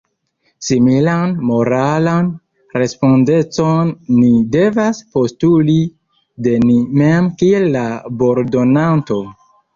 Similan moralan respondecon ni devas postuli de ni mem kiel labordonanto.